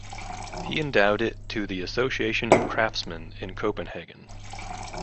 He endowed it to the Association of Craftsmen in Copenhagen.